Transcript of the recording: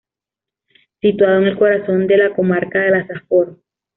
Situado en el corazón de la comarca de la Safor.